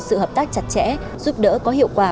sự hợp tác chặt chẽ giúp đỡ có hiệu quả